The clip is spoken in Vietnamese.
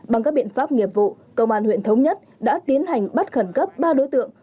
bằng các biện pháp nghiệp vụ công an huyện thống nhất đã tiến hành bắt khẩn cấp ba đối tượng